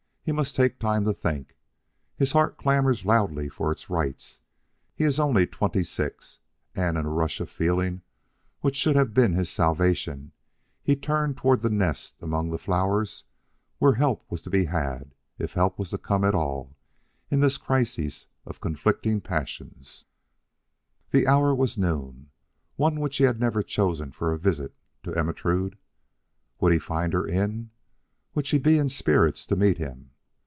He must take time to think. His heart clamors loudly for its rights; he is only twenty six and in a rush of feeling which should have been his salvation, he turned toward that nest among the flowers where help was to be had if help was to come at all in this crisis of conflicting passions. The hour was noon, one which he had never chosen before for a visit to Ermentrude. Would he find her in? Would she be in spirits to meet him?